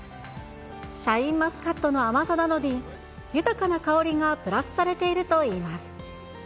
シャインマスカットの甘さなどに豊かな香りがプラスされているといいます。